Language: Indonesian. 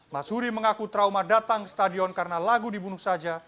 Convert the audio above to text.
mas huri mengaku trauma datang ke stadion karena lagu dibunuh saja